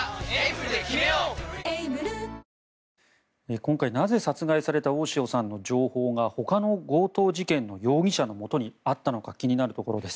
今回、なぜ殺害された大塩さんの情報がほかの強盗事件の容疑者のもとにあったのか気になるところです。